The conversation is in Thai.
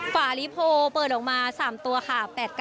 ฝาลิโพเปิดออกมา๓ตัวค่ะ